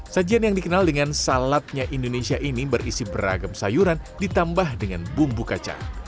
sajian yang dikenal dengan saladnya indonesia ini berisi beragam sayuran ditambah dengan bumbu kacang